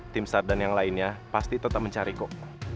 timstar dan yang lainnya pasti tetap mencari kok